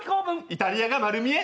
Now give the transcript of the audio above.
イタリアが丸見え！